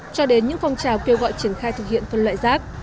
cho đến những phong trào kêu gọi triển khai thực hiện phân loại rác